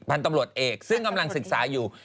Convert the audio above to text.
พันธุ์ตำรวจเอกซึ่งกำลังศึกษาอยู่